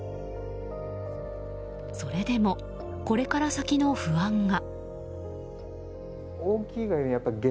それでも、これから先の不安が。